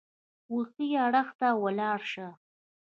وښي اړخ ته ولاړ شه !